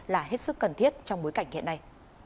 là hết sức cần thiết trong bối cảnh hiện nay